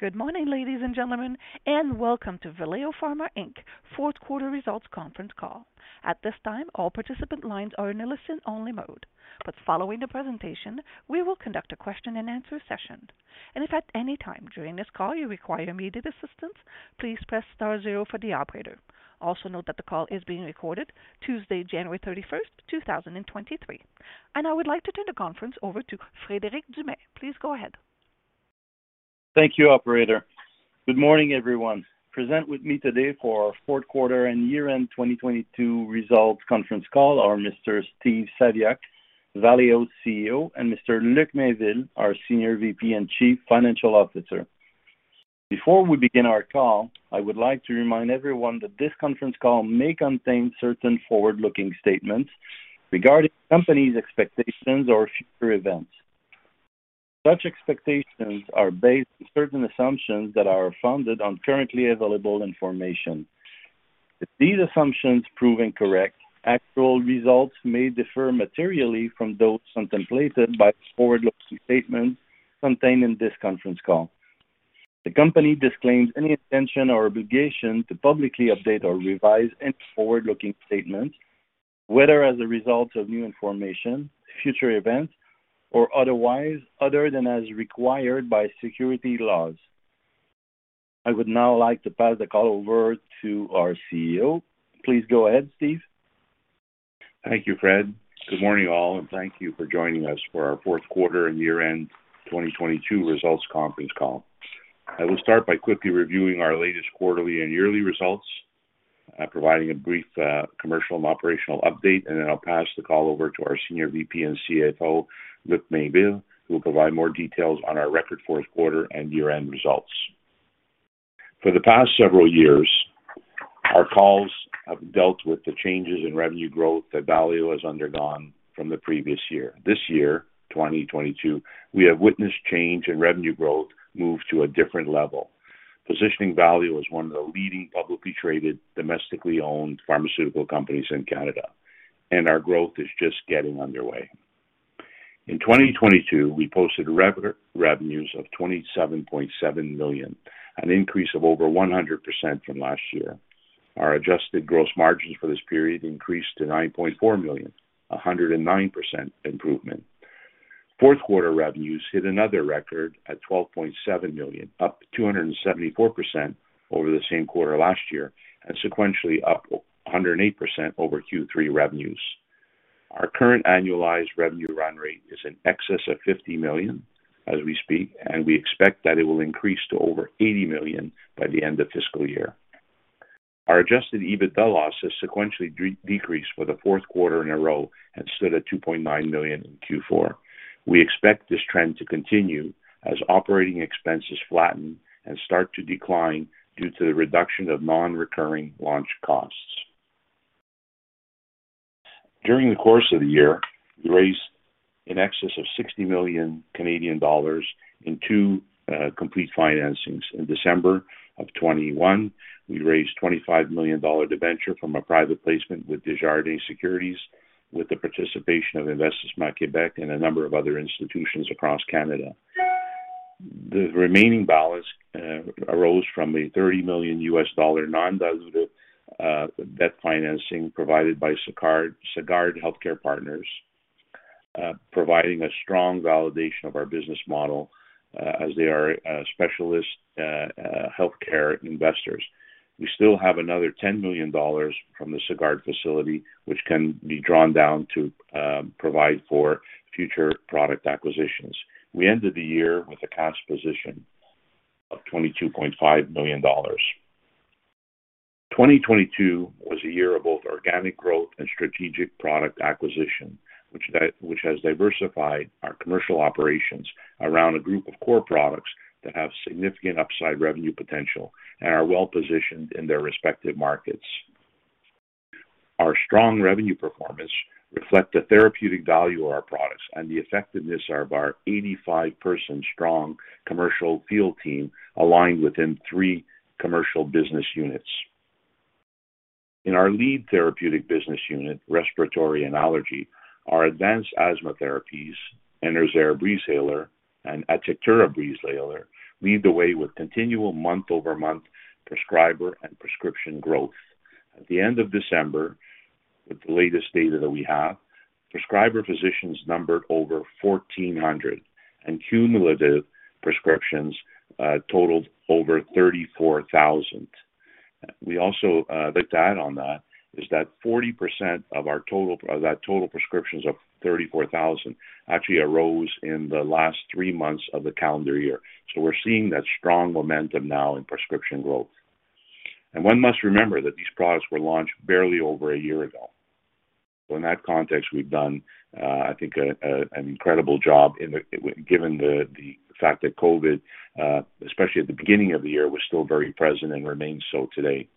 Good morning, ladies and gentlemen, welcome to Valeo Pharma Inc.'s fourth quarter results conference call. At this time, all participant lines are in a listen-only mode. Following the presentation, we will conduct a question-and-answer session. If at any time during this call you require immediate assistance, please press star zero for the operator. Also note that the call is being recorded Tuesday, January 31st, 2023. I would like to turn the conference over to Frederic Dumais. Please go ahead. Thank you, operator. Good morning, everyone. Present with me today for our fourth quarter and year-end 2022 results conference call are Mr. Steve Saviuk, Valeo’s CEO, and Mr. Luc Mainville, our Senior VP and Chief Financial Officer. Before we begin our call, I would like to remind everyone that this conference call may contain certain forward-looking statements regarding the company’s expectations or future events. Such expectations are based on certain assumptions that are founded on currently available information. If these assumptions prove incorrect, actual results may differ materially from those contemplated by the forward-looking statements contained in this conference call. The company disclaims any intention or obligation to publicly update or revise any forward-looking statements, whether as a result of new information, future events, or otherwise other than as required by securities laws. I would now like to pass the call over to our CEO. Please go ahead, Steve. Thank you, Fred. Good morning, all, and thank you for joining us for our fourth quarter and year-end 2022 results conference call. I will start by quickly reviewing our latest quarterly and yearly results, providing a brief commercial and operational update, and then I'll pass the call over to our Senior VP and CFO, Luc Mainville, who will provide more details on our record fourth quarter and year-end results. For the past several years, our calls have dealt with the changes in revenue growth that Valeo has undergone from the previous year. This year, 2022, we have witnessed change in revenue growth move to a different level. Positioning Valeo as one of the leading publicly traded, domestically owned pharmaceutical companies in Canada, our growth is just getting underway. In 2022, we posted revenues of 27.7 million, an increase of over 100% from last year. Our adjusted gross margins for this period increased to 9.4 million, a 109% improvement. Fourth quarter revenues hit another record at 12.7 million, up 274% over the same quarter last year and sequentially up 108% over Q3 revenues. Our current annualized revenue run rate is in excess of 50 million as we speak, and we expect that it will increase to over 80 million by the end of fiscal year. Our adjusted EBITDA loss has sequentially decreased for the fourth quarter in a row and stood at 2.9 million in Q4. We expect this trend to continue as operating expenses flatten and start to decline due to the reduction of non-recurring launch costs. During the course of the year, we raised in excess of 60 million Canadian dollars in two complete financings. In December of 2021, we raised a 25 million dollar debenture from a private placement with Desjardins Securities with the participation of Investissement Québec and a number of other institutions across Canada. The remaining balance arose from a $30 million U.S. dollar non-dilutive debt financing provided by Sagard Healthcare Partners, providing a strong validation of our business model, as they are specialist healthcare investors. We still have another $10 million from the Sagard facility, which can be drawn down to provide for future product acquisitions. We ended the year with a cash position of 22.5 million dollars. 2022 was a year of both organic growth and strategic product acquisition, which has diversified our commercial operations around a group of core products that have significant upside revenue potential and are well positioned in their respective markets. Our strong revenue performance reflect the therapeutic value of our products and the effectiveness of our 85 person strong commercial field team aligned within three commercial business units. In our lead therapeutic business unit, Respiratory and Allergy, our advanced asthma therapies, Enerzair Breezhaler and Atectura Breezhaler, lead the way with continual month-over-month prescriber and prescription growth. At the end of December, with the latest data that we have, prescriber physicians numbered over 1,400 and cumulative prescriptions totaled over 34,000. We also, the data on that is that 40% of our total, that total prescriptions of 34,000 actually arose in the last three months of the calendar year. We're seeing that strong momentum now in prescription growth. One must remember that these products were launched barely over a year ago. In that context, we've done, I think an incredible job. Given the fact that COVID, especially at the beginning of the year, was still very present and remains so today.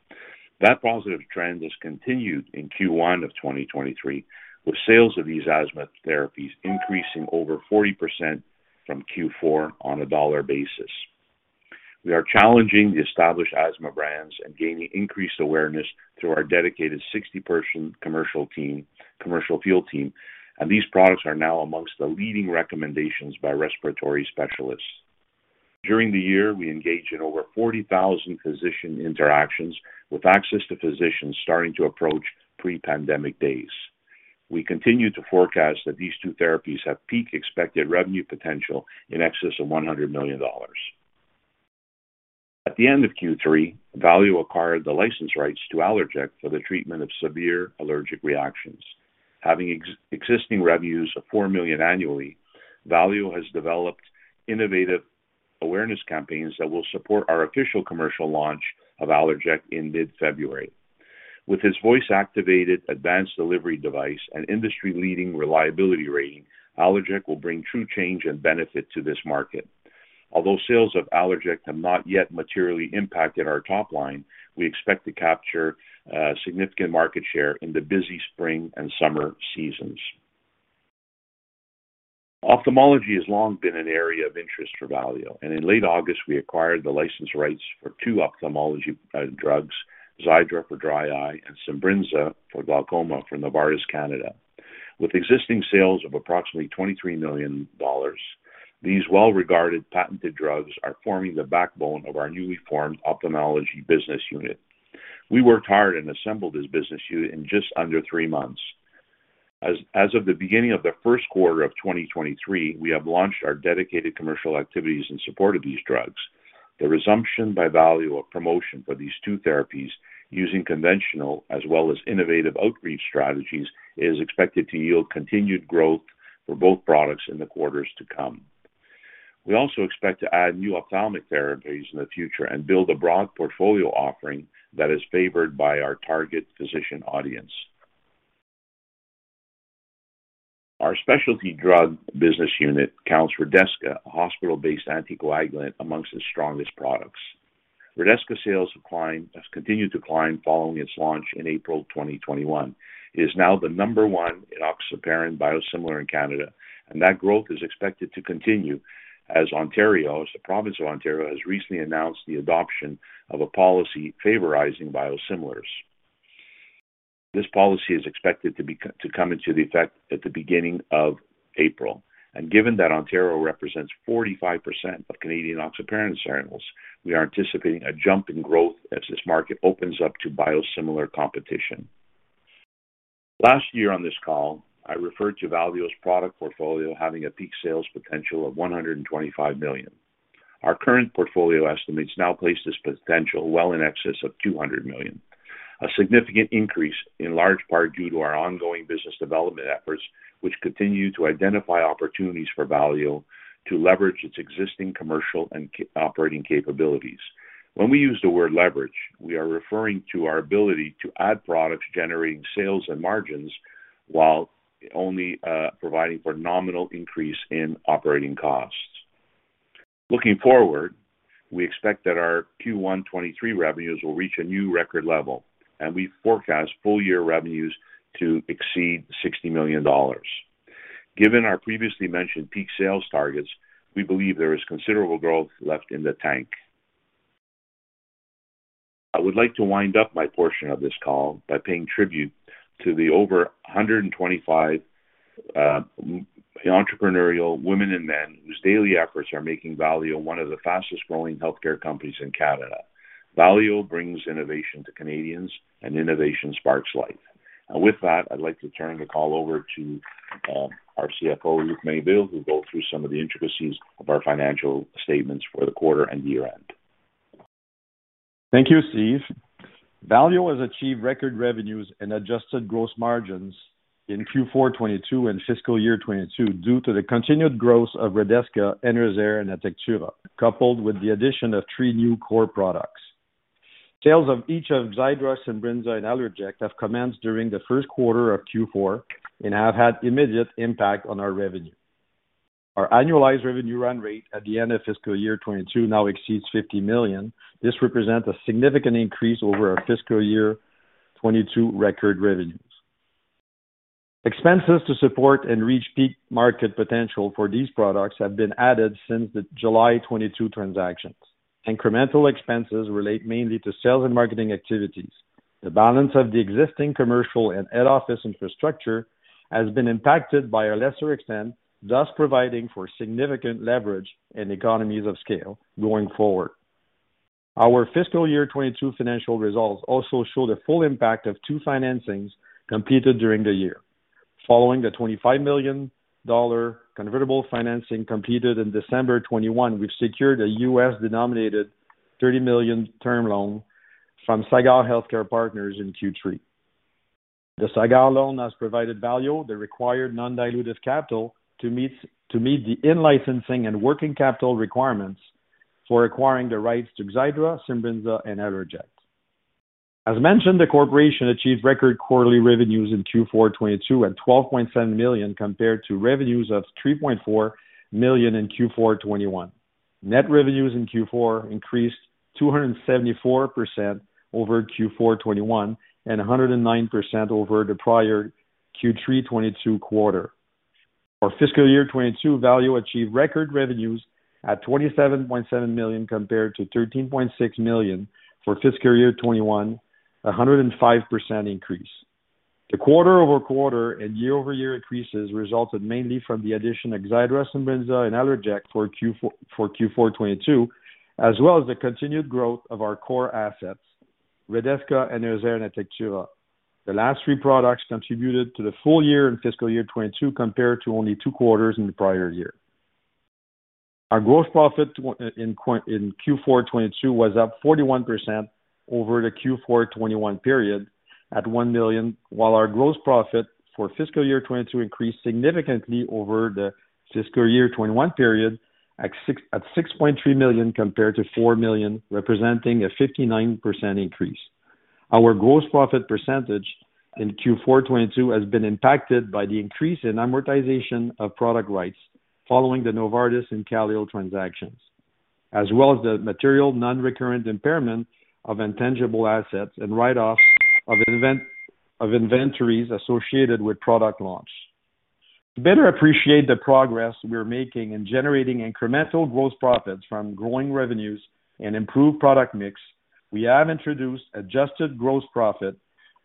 That positive trend has continued in Q1 of 2023, with sales of these asthma therapies increasing over 40% from Q4 on a dollar basis. We are challenging the established asthma brands and gaining increased awareness through our dedicated 60-person commercial team, commercial field team. These products are now amongst the leading recommendations by respiratory specialists. During the year, we engaged in over 40,000 physician interactions with access to physicians starting to approach pre-pandemic days. We continue to forecast that these two therapies have peak expected revenue potential in excess of $100 million. At the end of Q3, Valeo acquired the license rights to ALLERJECT for the treatment of severe allergic reactions. Having existing revenues of $4 million annually, Valeo has developed innovative awareness campaigns that will support our official commercial launch of ALLERJECT in mid-February. With its voice-activated advanced delivery device and industry-leading reliability rating, ALLERJECT will bring true change and benefit to this market. Although sales of ALLERJECT have not yet materially impacted our top line, we expect to capture significant market share in the busy spring and summer seasons. Ophthalmology has long been an area of interest for Valeo. In late August, we acquired the license rights for two ophthalmology drugs, Xiidra for dry eye and Simbrinza for glaucoma from Novartis Canada. With existing sales of approximately 23 million dollars, these well-regarded patented drugs are forming the backbone of our newly formed ophthalmology business unit. We worked hard and assembled this business unit in just under three months. As of the beginning of the first quarter of 2023, we have launched our dedicated commercial activities in support of these drugs. The resumption by Valeo of promotion for these two therapies using conventional as well as innovative outreach strategies is expected to yield continued growth for both products in the quarters to come. We also expect to add new ophthalmic therapies in the future and build a broad portfolio offering that is favored by our target physician audience. Our specialty drug business unit counts Redesca, a hospital-based anticoagulant amongst its strongest products. Redesca sales has continued to climb following its launch in April 2021. It is now the number 1 enoxaparin biosimilar in Canada. That growth is expected to continue as the province of Ontario has recently announced the adoption of a policy favorizing biosimilars. This policy is expected to come into the effect at the beginning of April. Given that Ontario represents 45% of Canadian enoxaparin sales, we are anticipating a jump in growth as this market opens up to biosimilar competition. Last year on this call, I referred to Valeo's product portfolio having a peak sales potential of $125 million. Our current portfolio estimates now place this potential well in excess of $200 million. A significant increase in large part due to our ongoing business development efforts, which continue to identify opportunities for Valeo to leverage its existing commercial and operating capabilities. When we use the word leverage, we are referring to our ability to add products generating sales and margins while only providing for nominal increase in operating costs. Looking forward, we expect that our Q1 2023 revenues will reach a new record level, and we forecast full-year revenues to exceed $60 million. Given our previously mentioned peak sales targets, we believe there is considerable growth left in the tank. I would like to wind up my portion of this call by paying tribute to the over 125 entrepreneurial women and men whose daily efforts are making Valeo one of the fastest-growing healthcare companies in Canada. Valeo brings innovation to Canadians, innovation sparks life. With that, I'd like to turn the call over to our CFO, Luc Mainville, who'll go through some of the intricacies of our financial statements for the quarter and year-end. Thank you, Steve. Valeo has achieved record revenues and adjusted gross margins in Q4 2022 and fiscal year 2022 due to the continued growth of Redesca, Enerzair, and Atectura, coupled with the addition of 3 new core products. Sales of each of Xiidra, Simbrinza, and ALLERJECT have commenced during the first quarter of Q4 and have had immediate impact on our revenue. Our annualized revenue run rate at the end of fiscal year 2022 now exceeds $50 million. This represents a significant increase over our fiscal year 2022 record revenues. Expenses to support and reach peak market potential for these products have been added since the July 2022 transactions. Incremental expenses relate mainly to sales and marketing activities. The balance of the existing commercial and head office infrastructure has been impacted by a lesser extent, thus providing for significant leverage and economies of scale going forward. Our fiscal year 2022 financial results also show the full impact of two financings completed during the year. Following the $25 million convertible financing completed in December 2021, we've secured a 30 million term loan from Sagard Healthcare Partners in Q3. The Sagard loan has provided Valeo the required non-dilutive capital to meet the in-licensing and working capital requirements for acquiring the rights to Xiidra, Simbrinza, and Allerject. As mentioned, the corporation achieved record quarterly revenues in Q4 2022 at $12.7 million compared to revenues of $3.4 million in Q4 2021. Net revenues in Q4 increased 274% over Q4 2021 and 109% over the prior Q3 2022 quarter. For fiscal year 2022, Valeo achieved record revenues at $27.7 million compared to $13.6 million for fiscal year 2021, a 105% increase. The quarter-over-quarter and year-over-year increases resulted mainly from the addition of Xiidra, Simbrinza, and ALLERJECT for Q4 2022, as well as the continued growth of our core assets, Redesca, Enerzair, Atectura. The last three products contributed to the full year in fiscal year 2022 compared to only two quarters in the prior year. Our gross profit in Q4 2022 was up 41% over the Q4 2021 period at $1 million, while our gross profit for fiscal year 2022 increased significantly over the fiscal year 2021 period at $6.3 million compared to $4 million, representing a 59% increase. Our gross profit percentage in Q4 2022 has been impacted by the increase in amortization of product rights following the Novartis and Kaléo transactions, as well as the material non-recurrent impairment of intangible assets and write-off of inventories associated with product launch. To better appreciate the progress we're making in generating incremental gross profits from growing revenues and improved product mix, we have introduced adjusted gross profit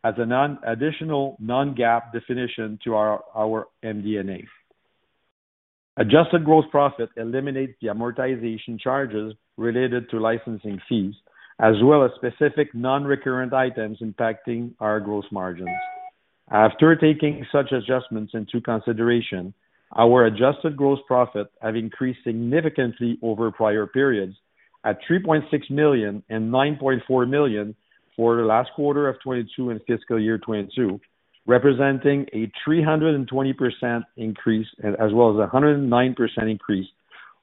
as a non-additional, non-GAAP definition to our MD&A. Adjusted gross profit eliminates the amortization charges related to licensing fees, as well as specific non-recurrent items impacting our gross margins. After taking such adjustments into consideration, our adjusted gross profit have increased significantly over prior periods at 3.6 million and 9.4 million for Q4 2022 and fiscal year 2022, representing a 320% increase as well as a 109% increase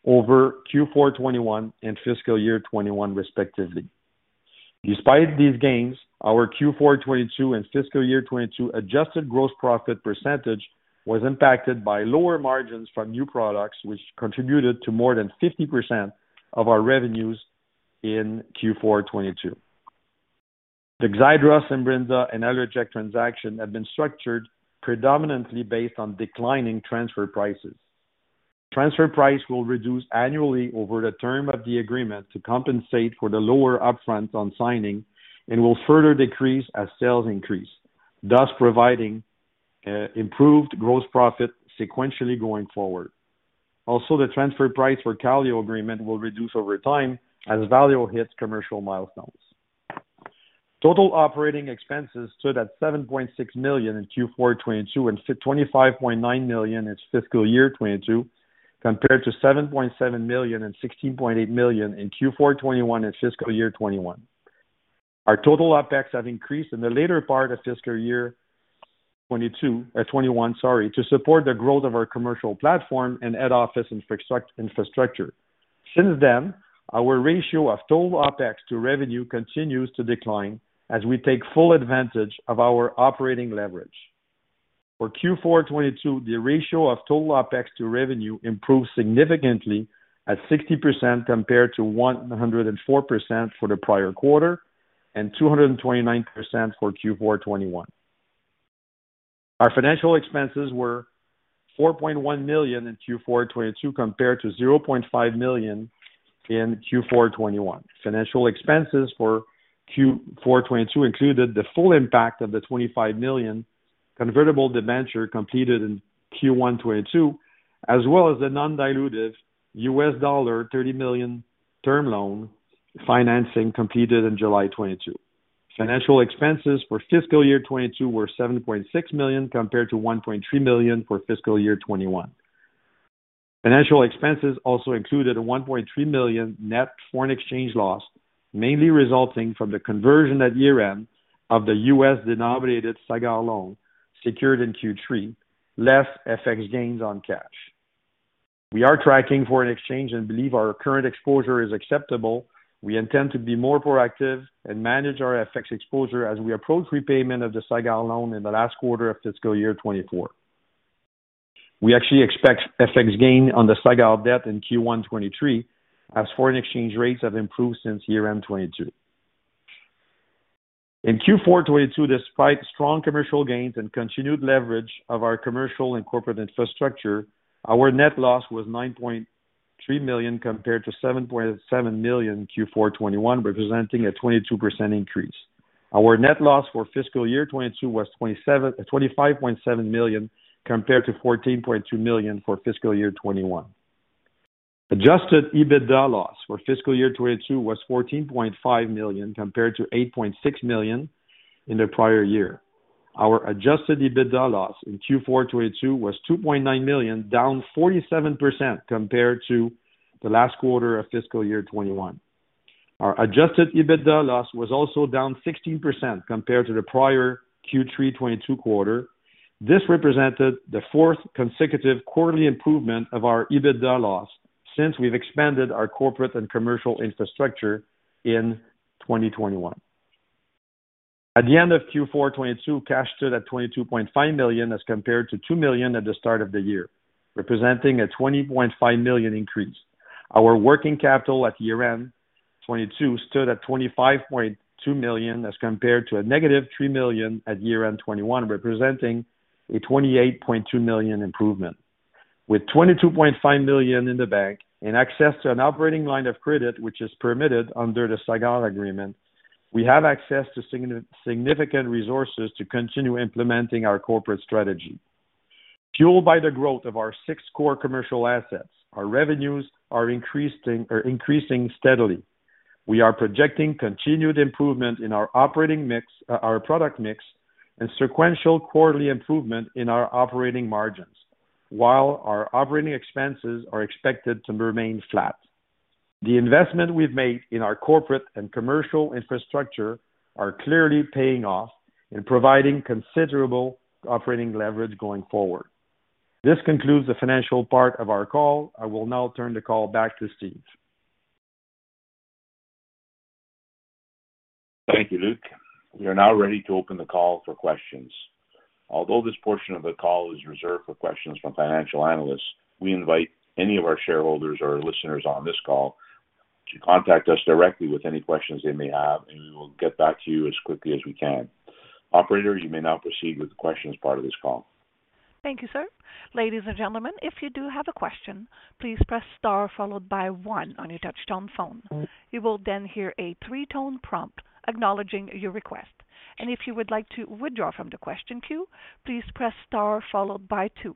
over Q4 2021 and fiscal year 2021, respectively. Despite these gains, our Q4 2022 and fiscal year 2022 adjusted gross profit percentage was impacted by lower margins from new products, which contributed to more than 50% of our revenues in Q4 2022. The Xiidra, Simbrinza, and ALLERJECT transaction have been structured predominantly based on declining transfer prices. Transfer price will reduce annually over the term of the agreement to compensate for the lower upfront on signing and will further decrease as sales increase, thus providing improved gross profit sequentially going forward. The transfer price for Kaléo agreement will reduce over time as Kaléo hits commercial milestones. Total operating expenses stood at 7.6 million in Q4 2022 and 25.9 million in fiscal year 2022, compared to 7.7 million and 16.8 million in Q4 2021 and fiscal year 2021. Our total OpEx have increased in the later part of fiscal year 2022, 2021, sorry, to support the growth of our commercial platform and head office infrastructure. Since then, our ratio of total OpEx to revenue continues to decline as we take full advantage of our operating leverage. For Q4 2022, the ratio of total OpEx to revenue improved significantly at 60% compared to 104% for the prior quarter and 229% for Q4 2021. Our financial expenses were 4.1 million in Q4 2022 compared to 0.5 million in Q4 2021. Financial expenses for Q4 2022 included the full impact of the 25 million convertible debenture completed in Q1 2022, as well as the non-dilutive $30 million term loan financing completed in July 2022. Financial expenses for fiscal year 2022 were 7.6 million compared to 1.3 million for fiscal year 2021. Financial expenses also included a 1.3 million net foreign exchange loss, mainly resulting from the conversion at year-end of the U.S. denominated Sagard loan secured in Q3, less FX gains on cash. We are tracking foreign exchange and believe our current exposure is acceptable. We intend to be more proactive and manage our FX exposure as we approach repayment of the Sagard loan in the last quarter of fiscal year 2024. We actually expect FX gain on the Sagard debt in Q1 2023, as foreign exchange rates have improved since year-end 2022. Q4 2022, despite strong commercial gains and continued leverage of our commercial and corporate infrastructure, our net loss was $9.3 million compared to $7.7 million in Q4 2021, representing a 22% increase. Our net loss for fiscal year 2022 was $25.7 million compared to $14.2 million for fiscal year 2021. Adjusted EBITDA loss for fiscal year 2022 was $14.5 million compared to $8.6 million in the prior year. Our adjusted EBITDA loss in Q4 2022 was 2.9 million, down 47% compared to the last quarter of fiscal year 2021. Our adjusted EBITDA loss was also down 16% compared to the prior Q3 2022 quarter. This represented the fourth consecutive quarterly improvement of our EBITDA loss since we've expanded our corporate and commercial infrastructure in 2021. At the end of Q4 2022, cash stood at 22.5 million as compared to 2 million at the start of the year, representing a 20.5 million increase. Our working capital at year-end 2022 stood at 25.2 million as compared to a negative 3 million at year-end 2021, representing a 28.2 million improvement. With 22.5 million in the bank and access to an operating line of credit, which is permitted under the Sagard agreement, we have access to significant resources to continue implementing our corporate strategy. Fueled by the growth of our six core commercial assets, our revenues are increasing steadily. We are projecting continued improvement in our operating mix, our product mix and sequential quarterly improvement in our operating margins, while our operating expenses are expected to remain flat. The investment we've made in our corporate and commercial infrastructure are clearly paying off in providing considerable operating leverage going forward. This concludes the financial part of our call. I will now turn the call back to Steve. Thank you, Luc. We are now ready to open the call for questions. Although this portion of the call is reserved for questions from financial analysts, we invite any of our shareholders or listeners on this call to contact us directly with any questions they may have, and we will get back to you as quickly as we can. Operator, you may now proceed with the questions part of this call. Thank you, sir. Ladies and gentlemen, if you do have a question, please press star followed by one on your touchtone phone. You will then hear a three-tone prompt acknowledging your request. If you would like to withdraw from the question queue, please press star followed by two.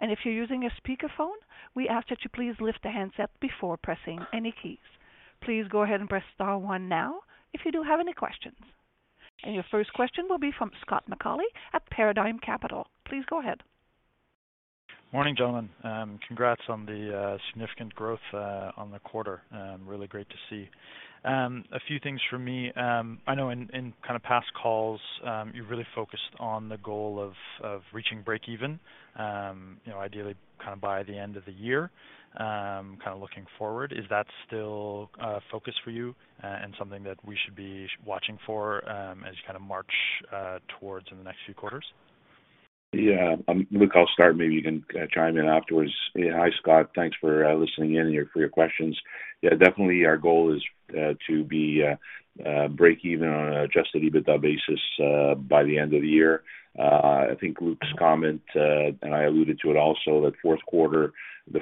If you're using a speakerphone, we ask that you please lift the handset before pressing any keys. Please go ahead and press star one now if you do have any questions. Your first question will be from Scott McAuley at Paradigm Capital. Please go ahead. Morning, gentlemen. Congrats on the significant growth on the quarter. Really great to see. A few things for me. I know in kind of past calls, you really focused on the goal of reaching break even, you know, ideally kind of by the end of the year, kind of looking forward. Is that still a focus for you and something that we should be watching for, as you kind march towards in the next few quarters? Yeah. Luc, I'll start, maybe you can chime in afterwards. Hi, Scott. Thanks for listening in and for your questions. Definitely our goal is to be break even on an adjusted EBITDA basis by the end of the year. I think Luc's comment, and I alluded to it also, that the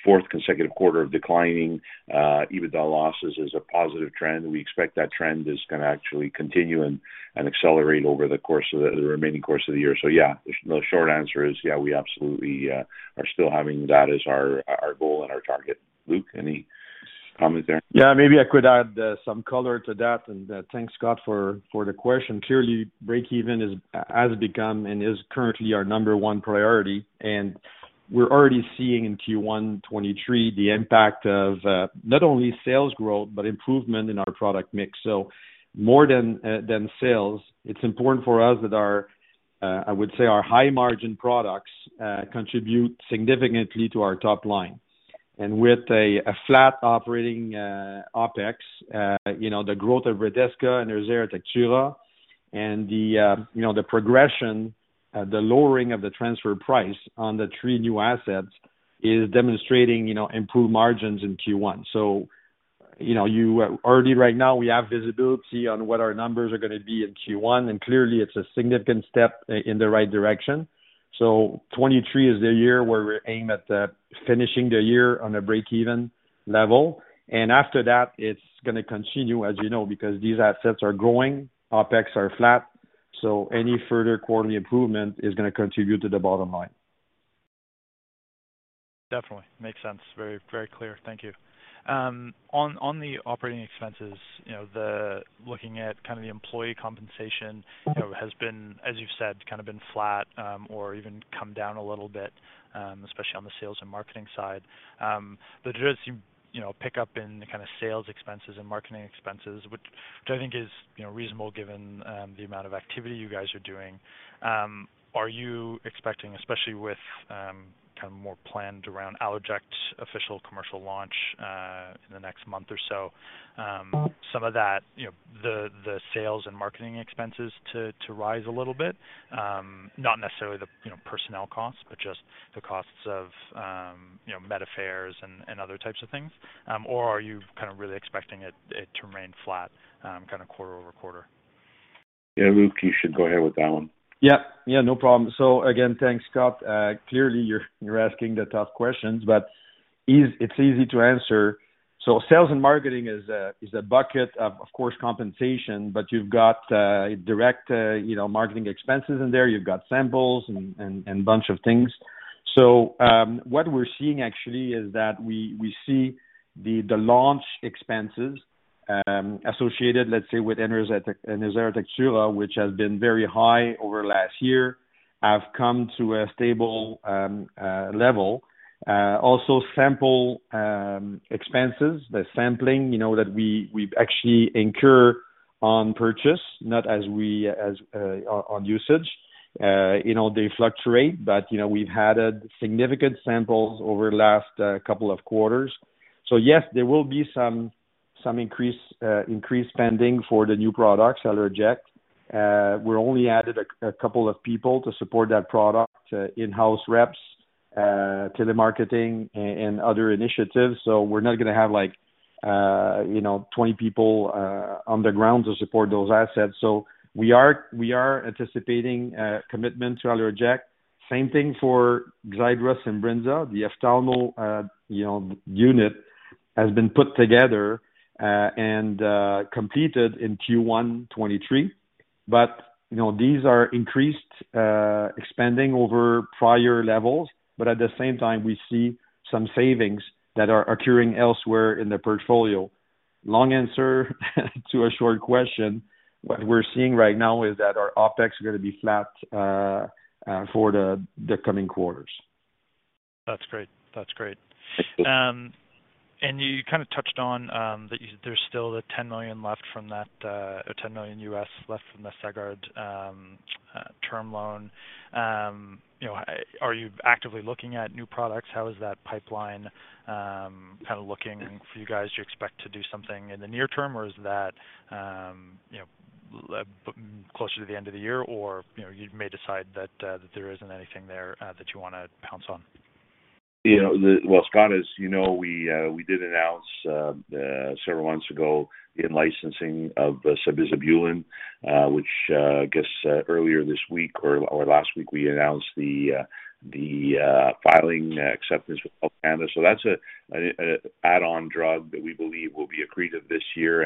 fourth consecutive quarter of declining EBITDA losses is a positive trend. We expect that trend is going to actually continue and accelerate over the course of the remaining course of the year. The short answer is, yeah, we absolutely are still having that as our goal and our target. Luc, any comment there? Yeah, maybe I could add some color to that. Thanks, Scott, for the question. Clearly, break even has become and is currently our number 1 priority, and we're already seeing in Q1 2023 the impact of not only sales growth, but improvement in our product mix. More than than sales, it's important for us that our I would say our high margin products contribute significantly to our top line. With a flat operating OpEx, the growth of Redesca Enerzair Atectura and the progression, the lowering of the transfer price on the three new assets is demonstrating, improved margins in Q1. Already right now, we have visibility on what our numbers are gonna be in Q1, and clearly, it's a significant step in the right direction. 2023 is the year where we aim at finishing the year on a break-even level. After that, it's gonna continue, as because these assets are growing, OpEx are flat, any further quarterly improvement is gonna contribute to the bottom line. Definitely. Makes sense. Very, very clear. Thank you. On, on the operating expenses, you know, looking at kind of the employee compensation, you know, has been, as you've said, kind of been flat, or even come down a little bit, especially on the sales and marketing side. There is, you know, pick up in the kind of sales expenses and marketing expenses, which I think is reasonable given the amount of activity you guys are doing. Are you expecting, especially with more planned around ALLERJECT official commercial launch, in the next month or so, some of that the sales and marketing expenses to rise a little bit? Not necessarily the personnel costs, but just the costs of, you know, med affairs and other types of things. Are you kind of really expecting it to remain flat, kind of quarter-over-quarter? Yeah. Luc, you should go ahead with that one. Yeah. Yeah, no problem. Again, thanks, Scott. Clearly you're asking the tough questions, but it's easy to answer. Sales and marketing is a, is a bucket of course, compensation, but you've got direct, you know, marketing expenses in there. You've got samples and bunch of things. What we're seeing actually is that we see the launch expenses associated, let's say with Atectura, which has been very high over last year, have come to a stable level. Also sample expenses. The sampling, you know, that we actually incur on purchase, not on usage. You know, they fluctuate, but, you know, we've had significant samples over the last couple of quarters. Yes, there will be some increased spending for the new product, Allerject. We only added a couple of people to support that product, in-house reps, telemarketing and other initiatives. We're not gonna have like 20 people on the ground to support those assets. We are anticipating commitment to Allerject. Same thing for Xiidra and Simbrinza. The ophthalmology, you know, unit has been put together and completed in Q1 2023. You know, these are increased, expanding over prior levels, but at the same time, we see some savings that are occurring elsewhere in the portfolio. Long answer to a short question. What we're seeing right now is that our OpEx is gonna be flat for the coming quarters. That's great. That's great. You kinda touched on that there's still the 10 million left from that, or 10 million USD left from the Sagard term loan. Are you actively looking at new products? How is that pipeline, kinda looking for you guys? Do you expect to do something in the near term, or is that, you know, closer to the end of the year? You know, you may decide that there isn't anything there that you wanna pounce on. You know, Well, Scott, as you know, we did announce several months ago in licensing of the sabizabulin, which I guess earlier this week or last week we announced the filing acceptance with Health Canada. That's an add-on drug that we believe will be accretive this year.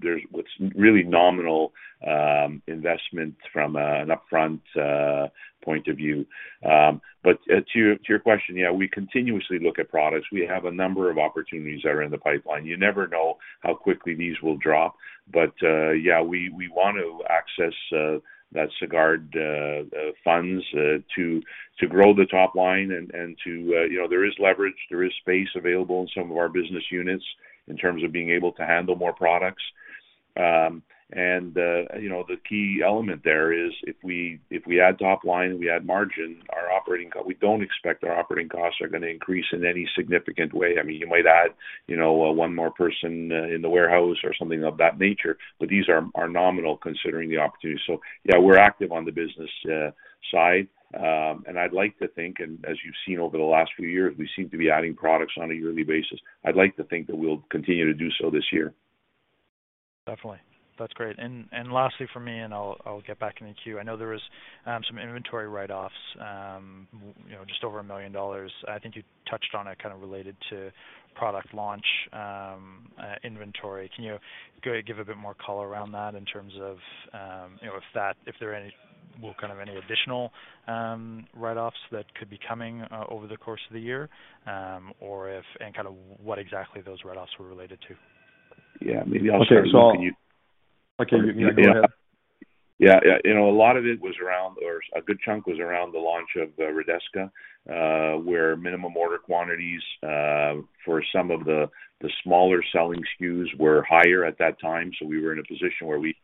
There's what's really nominal investment from an upfront point of view. To your question, yeah, we continuously look at products. We have a number of opportunities that are in the pipeline. You never know how quickly these will drop. Yeah, we want to access that Sagard funds to grow the top line and to, you know, there is leverage, there is space available in some of our business units in terms of being able to handle more products. You know, the key element there is if we, if we add top line, we add margin, we don't expect our operating costs are gonna increase in any significant way. I mean, you might add one more person in the warehouse or something of that nature, but these are nominal considering the opportunity. Yeah, we're active on the business side. I'd like to think and as you've seen over the last few years, we seem to be adding products on a yearly basis. I'd like to think that we'll continue to do so this year. Definitely. That's great. Lastly from me, I'll get back in the queue. I know there was some inventory write-offs, you know, just over $1 million. I think you touched on it kind of related to product launch inventory. Can you go give a bit more color around that in terms of, you know, if there are any, well, kind of any additional write-offs that could be coming over the course of the year, or if any kinda what exactly those write-offs were related to? Yeah, maybe I'll start. Okay. Can you- Okay. You go ahead. Yeah. Yeah. You know, a lot of it was around or a good chunk was around the launch of Redesca, where minimum order quantities for some of the smaller selling SKUs were higher at that time. We were in a position where we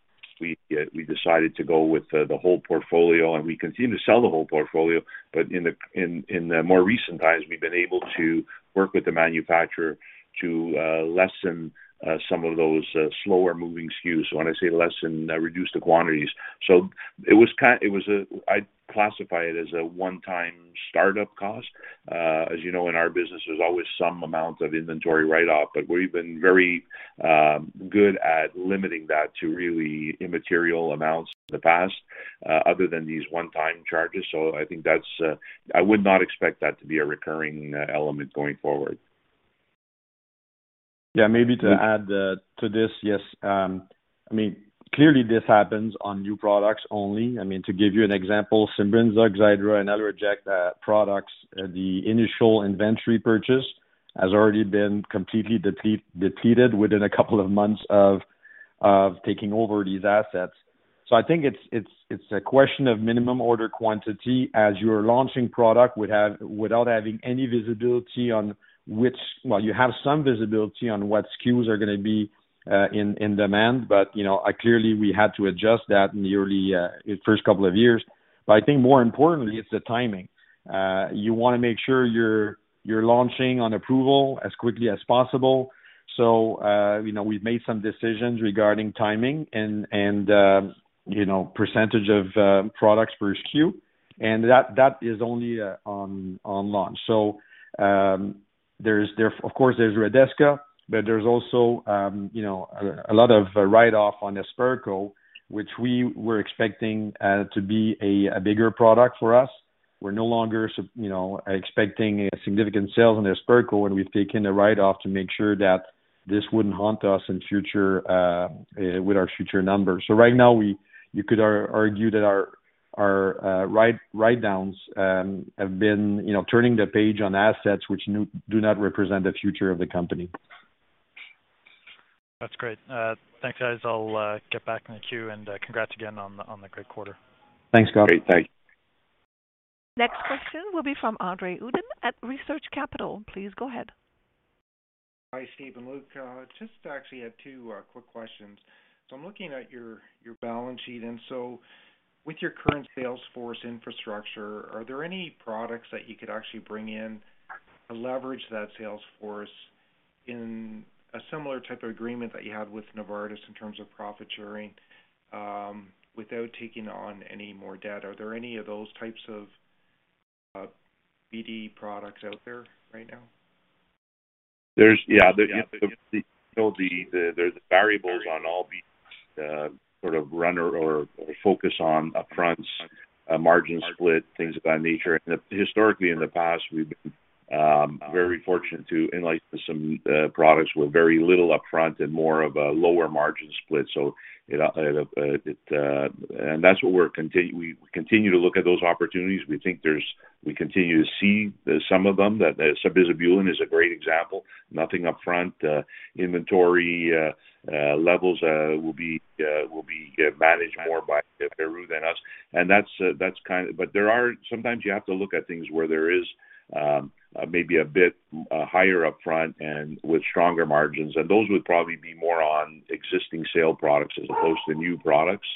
decided to go with the whole portfolio, and we continue to sell the whole portfolio. In the more recent times, we've been able to work with the manufacturer to lessen some of those slower moving SKUs. When I say lessen, reduce the quantities. It was a... I'd classify it as a one-time start-up cost. As you know, in our business, there's always some amount of inventory write-off, but we've been very good at limiting that to really immaterial amounts in the past, other than these one-time charges. I think that's, I would not expect that to be a recurring element going forward. Maybe to add to this. Yes. I mean, clearly this happens on new products only. I mean, to give you an example, Simbrinza, Xiidra, and ALLERJECT products, the initial inventory purchase has already been completely depleted within two months of taking over these assets. I think it's a question of minimum order quantity as you're launching product without having any visibility on what SKUs are gonna be in demand, but, you know, clearly we had to adjust that in the early first two years. I think more importantly, it's the timing. You wanna make sure you're launching on approval as quickly as possible. You know, we've made some decisions regarding timing and, you know, percentage of products per SKU, and that is only on launch. There's, of course, Redesca, but there's also, you know, a lot of write-off on Hesperco, which we were expecting to be a bigger product for us. We're no longer, you know, expecting a significant sales on Hesperco, and we've taken a write-off to make sure that this wouldn't haunt us in future with our future numbers. Right now, we, you could argue that our write-downs have been, you know, turning the page on assets which do not represent the future of the company. That's great. Thanks, guys. I'll get back in the queue, and congrats again on the great quarter. Thanks, Scott. Great. Thank you. Next question will be from Andre Uddin at Research Capital. Please go ahead. Hi, Steve and Luc. Just actually had two quick questions. I'm looking at your balance sheet. With your current sales force infrastructure, are there any products that you could actually bring in to leverage that sales force in a similar type of agreement that you had with Novartis in terms of profit sharing, without taking on any more debt? Are there any of those types of BD products out there right now? There's, yeah. The variables on all these sort of runner or focus on upfronts, margin split, things of that nature. Historically, in the past, we've been very fortunate to enlighten some products with very little upfront and more of a lower margin split. That's what we continue to look at those opportunities. We continue to see some of them. That sabizabulin is a great example. Nothing upfront. Inventory levels will be managed more by Veru than us. That's. There are sometimes you have to look at things where there is maybe a bit higher up front and with stronger margins, and those would probably be more on existing sale products as opposed to new products.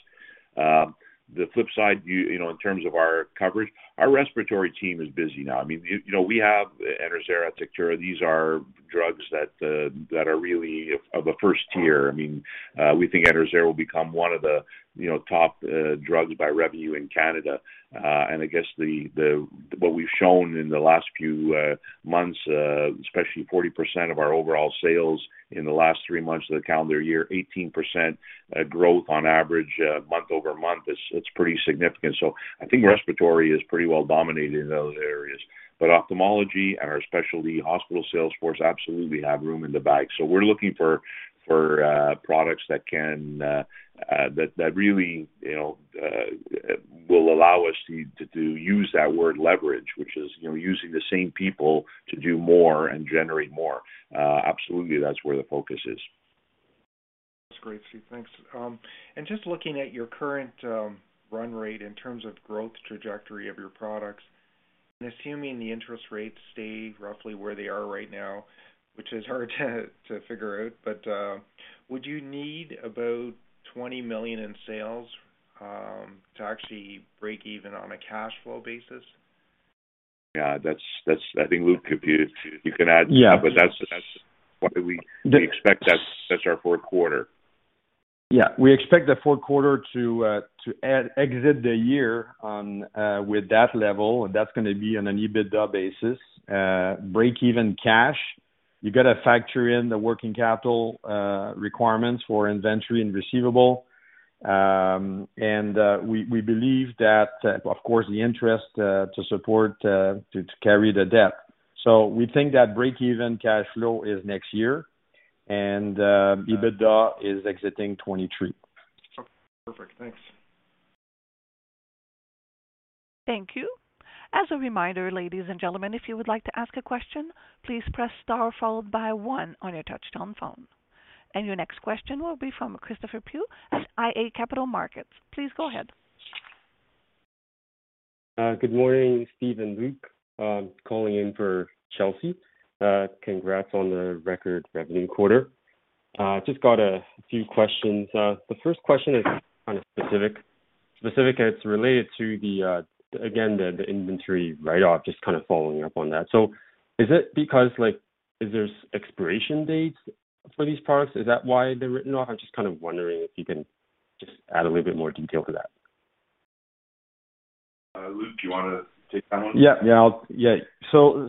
The flip side in terms of our coverage, our respiratory team is busy now. I mean, you know, we have the Enerzair Atectura. These are drugs that are really of a first tier. I mean, we think Enerzair will become one of the, you know, top drugs by revenue in Canada. I guess the what we've shown in the last few months, especially 40% of our overall sales in the last three months of the calendar year, 18% growth on average month-over-month, it's pretty significant. I think respiratory is pretty well dominated in those areas. Ophthalmology and our specialty hospital sales force absolutely have room in the bag. We're looking for products that can that really, you know, will allow us to use that word leverage, which is, you know, using the same people to do more and generate more. Absolutely, that's where the focus is. That's great, Steve. Thanks. Just looking at your current run rate in terms of growth trajectory of your products, assuming the interest rates stay roughly where they are right now, which is hard to figure out, but would you need about 20 million in sales to actually break even on a cash flow basis? Yeah, that's, I think Luc computed. You can add to that. Yeah. That's why. The- We expect that's our fourth quarter. We expect the fourth quarter to exit the year on with that level. That's gonna be on an EBITDA basis, break-even cash. You got to factor in the working capital requirements for inventory and receivable. We believe that, of course, the interest to support to carry the debt. We think that break-even cash flow is next year, and EBITDA is exiting 2023. Okay. Perfect. Thanks. Thank you. As a reminder, ladies and gentlemen, if you would like to ask a question, please press star followed by 1 on your touchtone phone. Your next question will be from Christopher Loo at iA Capital Markets. Please go ahead. teve and Luc. Calling in for Chelsea. Congrats on the record revenue quarter. Just got a few questions. The first question is kind of specific, and it's related to the again, the inventory write-off, just kind of following up on that. Is it because, like, there's expiration dates for these products? Is that why they're written off? I'm just wondering if you can just add a little bit more detail to that.</p> Luc, do you want to take that one? Yeah.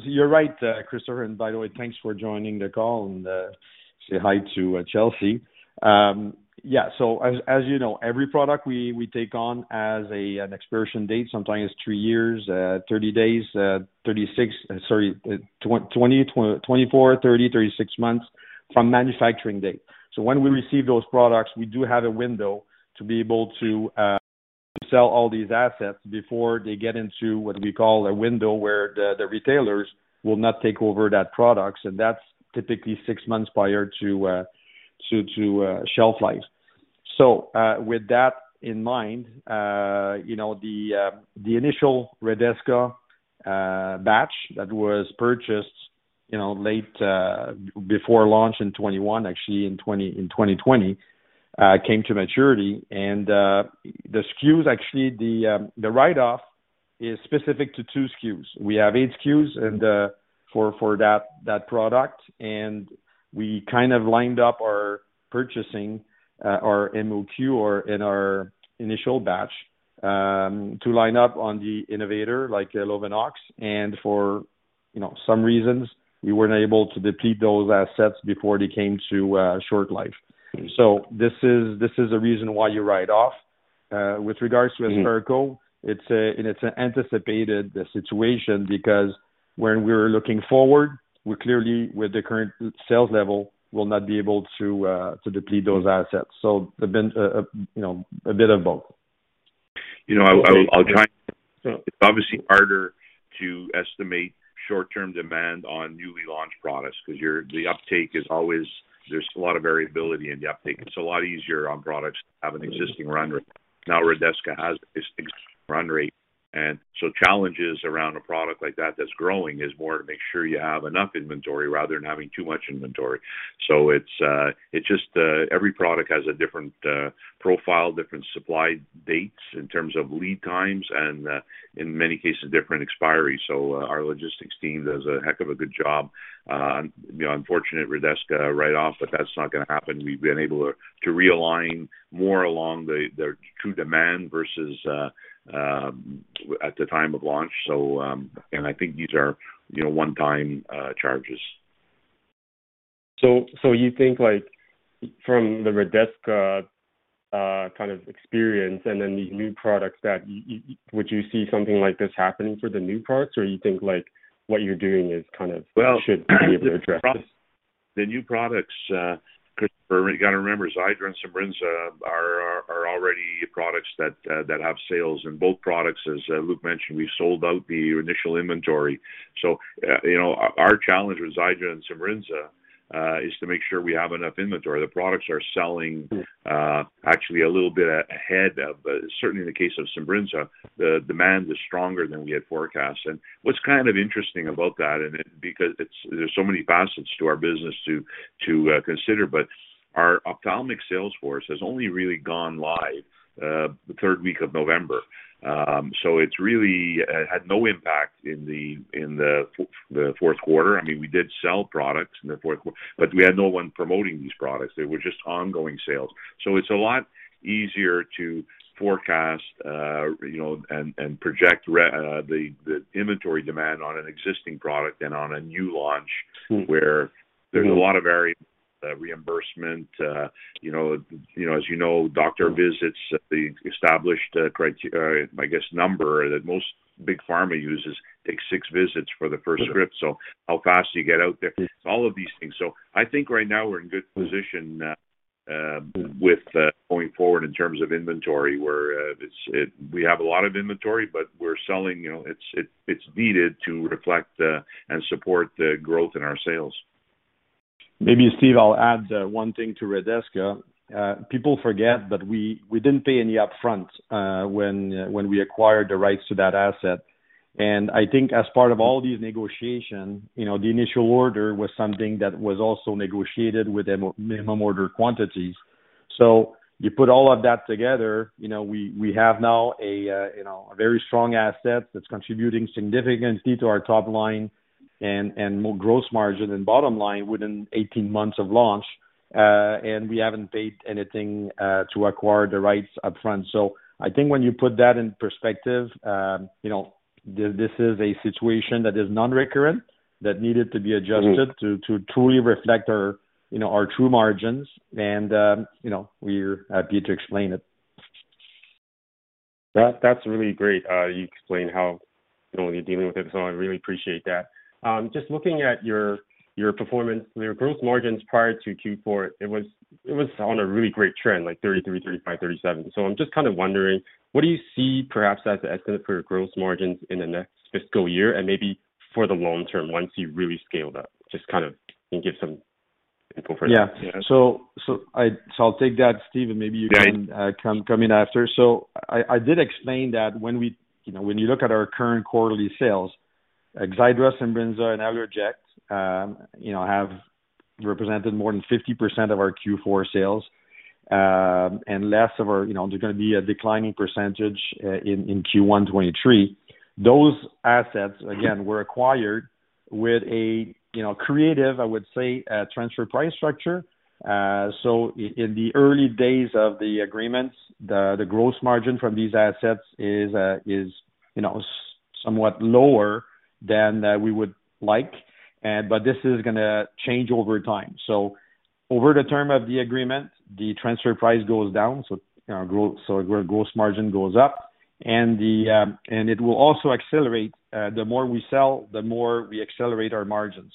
You're right, Christopher, and by the way, thanks for joining the call and say hi to Chelsea. Yeah. As you know, every product we take on has an expiration date. Sometimes it's 3 years, 30 days, 36, sorry, 20, 24, 30, 36 months from manufacturing date. When we receive those products, we do have a window to be able to sell all these assets before they get into what we call a window, where the retailers will not take over that products, and that's typically 6 months prior to shelf life. With that in mind the initial Redesca batch that was purchased, you know, late before launch in 2021, actually in 2020, came to maturity. The SKUs, actually the write-off is specific to two SKUs. We have eight SKUs and for that product, and we kind of lined up our purchasing, our MOQ or in our initial batch, to line up on the innovator like Lovenox. For some reasons we weren't able to deplete those assets before they came to short life. This is a reason why you write off. With regards to Hesperco, it's an anticipated situation because when we're looking forward, we're clearly with the current sales level, will not be able to deplete those assets. There's been a bit of both. You know, I'll try. It's obviously harder to estimate short-term demand on newly launched products because the uptake is always, there's a lot of variability in the uptake. It's a lot easier on products that have an existing run rate. Now, Redesca has this run rate and so challenges around a product like that that's growing is more to make sure you have enough inventory rather than having too much inventory. It's just every product has a different profile, different supply dates in terms of lead times and in many cases different expiry. Our logistics team does a heck of a good job. You know, unfortunate Redesca write-off, but that's not gonna happen. We've been able to realign more along the true demand versus at the time of launch. I think these are, you know, one time charges. So you think like from the Redesca, kind of experience and then these new products that would you see something like this happening for the new products? Or you think like what you're doing is kind of should be able to address this? The new products, Chris, you gotta remember Xiidra and Simbrinza are already products that have sales in both products. As Luc mentioned, we sold out the initial inventory. you know, our challenge with Xiidra and Simbrinza is to make sure we have enough inventory. The products are selling-. Mm-hmm ...actually a little bit ahead of, certainly in the case of Simbrinza, the demand is stronger than we had forecast. What's kind of interesting about that, and it's because it's there's so many facets to our business to consider, but our ophthalmic sales force has only really gone live the third week of November. It's really had no impact in the fourth quarter. I mean, we did sell products in the fourth quarter, but we had no one promoting these products. They were just ongoing sales. It's a lot easier to forecast, you know, and project the inventory demand on an existing product than on a new launch- Mm-hmm ...where there's a lot of very, reimbursement, you know, you know, as you know, doctor visits, the established criteria, I guess, number that most big pharma uses takes six visits for the first script. How fast do you get out there? All of these things. I think right now we're in good position with going forward in terms of inventory, where we have a lot of inventory, but we're selling it's needed to reflect and support the growth in our sales. Maybe, Steve, I'll add one thing to Redesca. People forget that we didn't pay any upfront when we acquired the rights to that asset. I think as part of all these negotiation, you know, the initial order was something that was also negotiated with a minimum order quantities. You put all of that together, you know, we have now a, you know, a very strong asset that's contributing significantly to our top line and more gross margin and bottom line within 18 months of launch. We haven't paid anything to acquire the rights upfront. I think when you put that in perspective this is a situation that is non-recurrent, that needed to be adjusted to truly reflect our, you know, our true margins. you know, we're happy to explain it. That's really great. You explained how, you know, you're dealing with it, so I really appreciate that. Just looking at your performance, your growth margins prior to Q4, it was on a really great trend, like 33%, 35%, 37%. I'm just kind of wondering, what do you see perhaps as the estimate for your growth margins in the next fiscal year and maybe for the long term once you've really scaled up? Just kind of can give some info for that. I'll take that, Steve, and maybe you can come in after. I did explain that when we, you know, when you look at our current quarterly sales, Xiidra, Simbrinza and ALLERJECT, you know, have represented more than 50% of our Q4 sales, and less of our, you know, they're gonna be a declining percentage in Q1 2023. Those assets, again, were acquired with a, you know, creative, I would say, transfer price structure. In the early days of the agreements, the gross margin from these assets is, you know, somewhat lower than we would like, this is gonna change over time. Over the term of the agreement, the transfer price goes down, you know, our gross margin goes up. It will also accelerate, the more we sell, the more we accelerate our margins.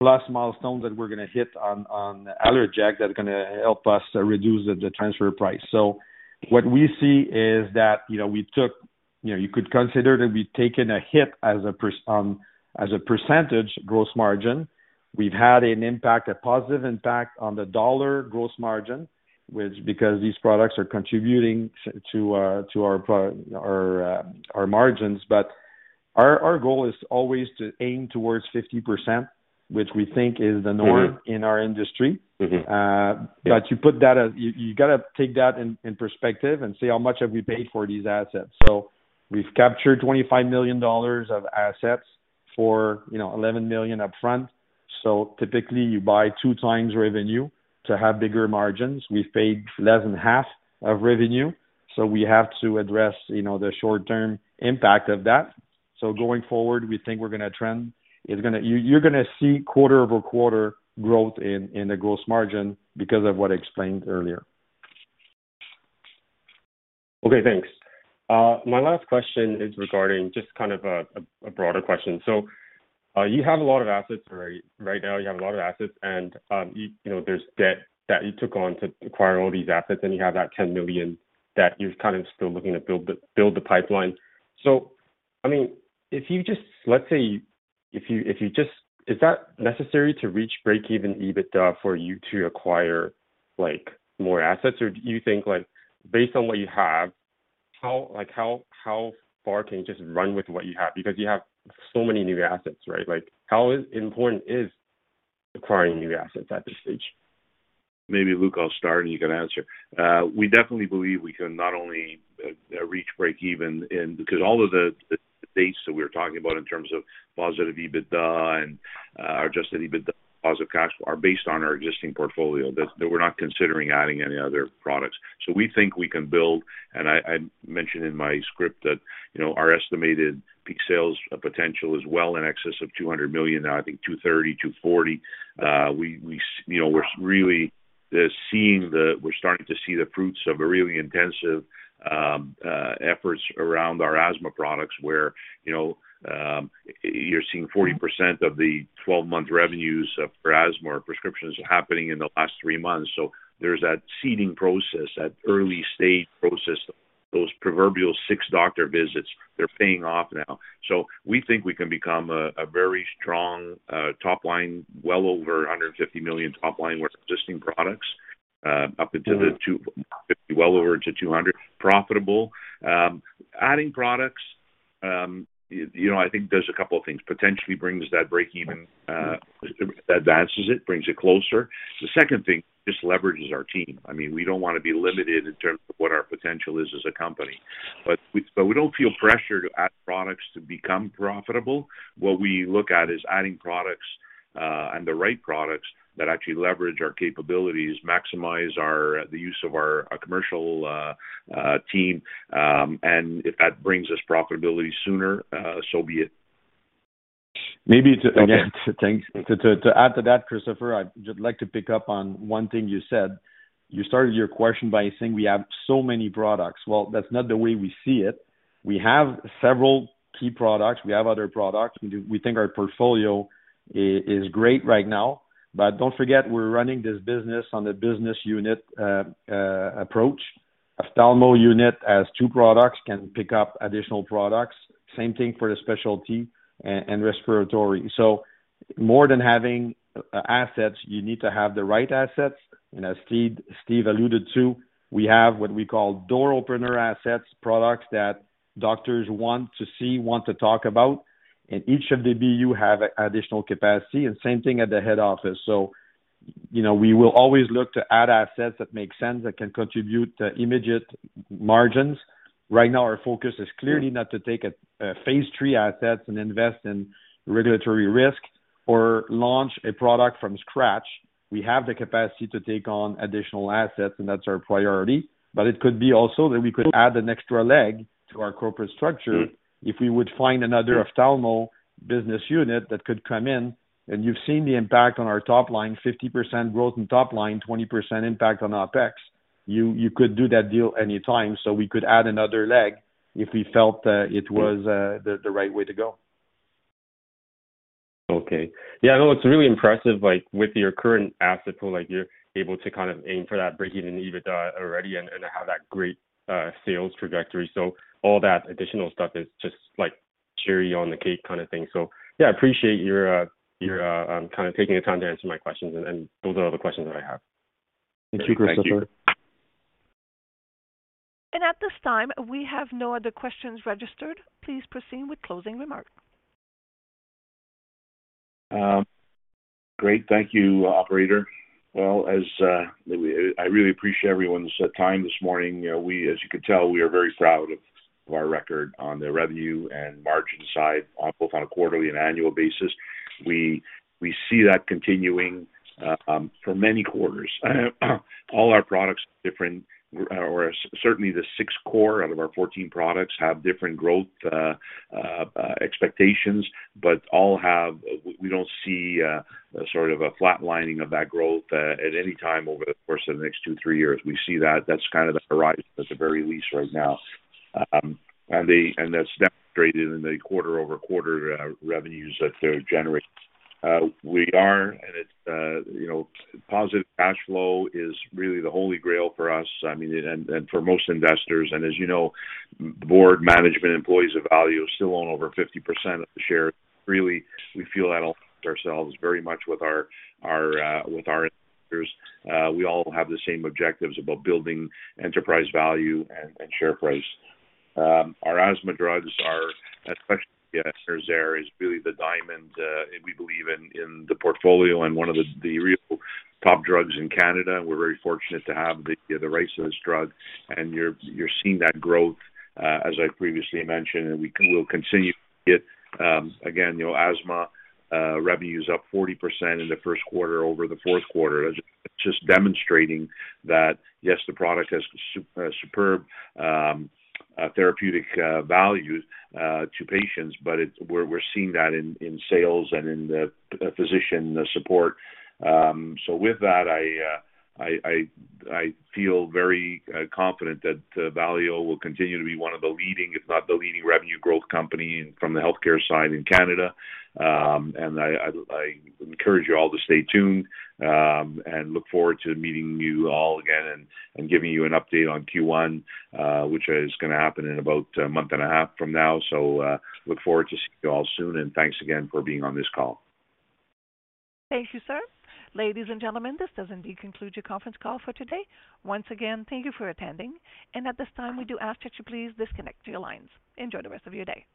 Last milestone that we're going to hit on Allerject that's going to help us reduce the transfer price. What we see is that, you know, we took, you know, you could consider that we've taken a hit as a percentage gross margin. We've had an impact, a positive impact on the dollar gross margin, which because these products are contributing to our margins. Our goal is always to aim towards 50%, which we think is the norm in our industry. Mm-hmm. You gotta take that in perspective and say, how much have we paid for these assets? We've captured 25 million dollars of assets for, you know, 11 million up front. Typically, you buy 2x revenue to have bigger margins. We've paid less than half of revenue, so we have to address, you know, the short-term impact of that. Going forward, we think we're gonna trend. It's gonna. You're gonna see quarter-over-quarter growth in the gross margin because of what I explained earlier. Okay, thanks. My last question is regarding just kind of a broader question. You have a lot of assets, right? Right now, you have a lot of assets and, you know, there's debt that you took on to acquire all these assets, and you have that 10 million that you're kind of still looking to build the pipeline. I mean, let's say if you just... Is that necessary to reach break-even EBITDA for you to acquire like, more assets? Or do you think like based on what you have, how, like how far can you just run with what you have? Because you have so many new assets, right? Like, how important is acquiring new assets at this stage? Maybe, Luc, I'll start, and you can answer. We definitely believe we can not only reach break even in, because all of the dates that we're talking about in terms of positive EBITDA and or adjusted EBITDA, positive cash are based on our existing portfolio. We're not considering adding any other products. We think we can build, and I mentioned in my script that, you know, our estimated peak sales potential is well in excess of 200 million, I think 230 million, 240 million. We, you know, we're really. The scene that we're starting to see the fruits of a really intensive efforts around our asthma products where, you know, you're seeing 40% of the 12-month revenues for asthma prescriptions happening in the last three months. There's that seeding process, that early stage process, those proverbial six doctor visits, they're paying off now. We think we can become a very strong top line, well over 150 million top line with existing products, well over 200 profitable. Adding products, you know, I think there's a couple of things. Potentially brings that break-even, advances it, brings it closer. The second thing, this leverages our team. I mean, we don't want to be limited in terms of what our potential is as a company. We don't feel pressured to add products to become profitable. What we look at is adding products and the right products that actually leverage our capabilities, maximize our, the use of our commercial team. If that brings us profitability sooner, so be it. Maybe to, again- Okay. Thanks. To add to that, Christopher, I'd like to pick up on one thing you said. You started your question by saying we have so many products. Well, that's not the way we see it. We have several key products. We have other products. We do, we think our portfolio is great right now, but don't forget we're running this business on a business unit approach. Ophthalmo unit has two products, can pick up additional products. Same thing for the specialty and respiratory. More than having assets, you need to have the right assets. As Steve alluded to, we have what we call door opener assets, products that doctors want to see, want to talk about, and each of the BU have additional capacity and same thing at the head office. You know, we will always look to add assets that make sense, that can contribute immediate margins. Right now, our focus is clearly not to take a phase 3 assets and invest in regulatory risk or launch a product from scratch. We have the capacity to take on additional assets, and that's our priority. It could be also that we could add an extra leg to our corporate structure if we would find another ophthalmo business unit that could come in. You've seen the impact on our top line, 50% growth in top line, 20% impact on OpEx. You could do that deal anytime, so we could add another leg if we felt that it was the right way to go. Okay. Yeah, I know it's really impressive, like with your current asset pool, like you're able to kind of aim for that break-even EBITDA already and have that great sales trajectory. All that additional stuff is just like cherry on the cake kind of thing. Yeah, I appreciate your kind of taking the time to answer my questions. Those are all the questions that I have. Thank you, Christopher. Thank you. At this time, we have no other questions registered. Please proceed with closing remarks. Great. Thank you, operator. I really appreciate everyone's time this morning. You know, we, as you can tell, we are very proud of our record on the revenue and margin side, both on a quarterly and annual basis. We see that continuing for many quarters. All our products are different. Or certainly the six core out of our 14 products have different growth expectations, we don't see a sort of a flat lining of that growth at any time over the course of the next two, three years. We see that that's kind of the horizon at the very least right now. And that's demonstrated in the quarter-over-quarter revenues that they're generating. We are and it's, you know, positive cash flow is really the holy grail for us. I mean, and for most investors. As board management employees of Valeo still own over 50% of the shares. Really, we feel that amongst ourselves very much with our, with our investors. We all have the same objectives about building enterprise value and share price. Our asthma drugs are is really the diamond we believe in the portfolio and one of the real top drugs in Canada. We're very fortunate to have the rights to this drug. You're seeing that growth as I previously mentioned, we'll continue to see it. Again, you know, asthma revenues up 40% in the first quarter over the fourth quarter. It's just demonstrating that, yes, the product has superb therapeutic value to patients, but we're seeing that in sales and in the physician support. With that, I feel very confident that Valeo will continue to be one of the leading, if not the leading revenue growth company from the healthcare side in Canada. I encourage you all to stay tuned and look forward to meeting you all again and giving you an update on Q1, which is gonna happen in about a month and a half from now. Look forward to seeing you all soon. Thanks again for being on this call. Thank you, sir. Ladies and gentlemen, this does indeed conclude your conference call for today. Once again, thank you for attending. At this time, we do ask that you please disconnect your lines. Enjoy the rest of your day.